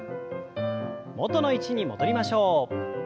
元の位置に戻りましょう。